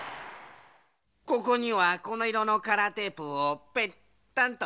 ここにはこのいろのカラーテープをぺったんと。